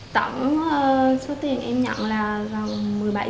tổng số tiền em nhận là một mươi bảy tỷ